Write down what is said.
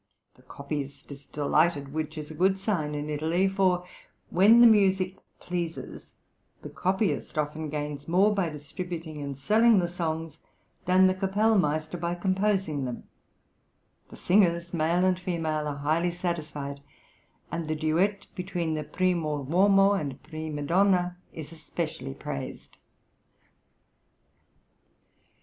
The copyist is delighted, which is a good sign in Italy, for when the music pleases, the copyist often gains more by distributing and selling the songs than the kapellmeister by composing them; the singers, male and female, are highly satisfied, and the duet between the primo uomo and prima donna is especially praised."